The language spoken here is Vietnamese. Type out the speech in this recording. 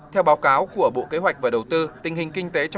theo báo cáo của bộ kế hoạch về đầu tư